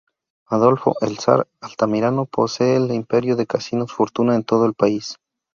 Adolfo "El Zar" Altamirano posee el imperio de casinos Fortuna en todo el país.